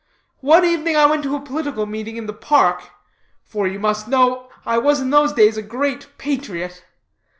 One evening I went to a political meeting in the Park for you must know, I was in those days a great patriot.